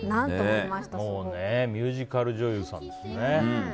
もうミュージカル女優さんですね。